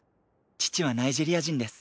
父はナイジェリア人です。